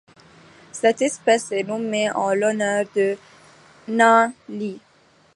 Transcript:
Cette espèce est nommée en l'honneur de Na Li.